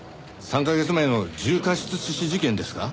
３カ月前の重過失致死事件ですか？